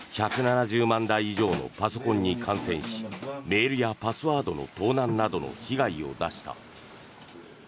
１７０万台以上のパソコンに感染しメールやパスワードの盗難などの被害を出した。